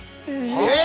えっ！